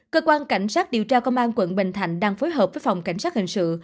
cơ quan cảnh sát điều tra công an tp hcm đang phối hợp với phòng cảnh sát hình sự